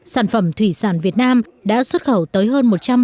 sản phẩm thủy sản việt nam đã xuất khẩu tới hội nhập